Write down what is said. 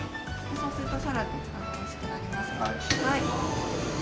そうするとさらにおいしくなります。